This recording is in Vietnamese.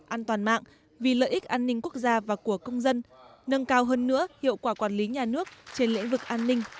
an toàn mạng vì lợi ích an ninh quốc gia và của công dân nâng cao hơn nữa hiệu quả quản lý nhà nước trên lĩnh vực an ninh